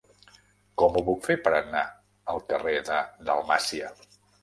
Com ho puc fer per anar al carrer de Dalmàcia?